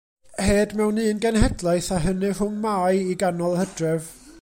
Hed mewn un genhedlaeth a hynny rhwng Mai i ganol Hydref.